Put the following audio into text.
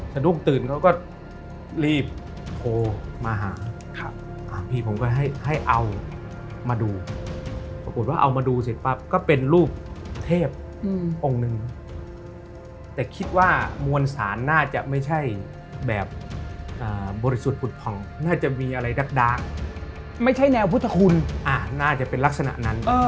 สะดุ้งตื่น